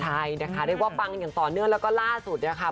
ใช่นะคะเรียกว่าปังอย่างต่อเนื่องแล้วก็ล่าสุดเนี่ยค่ะ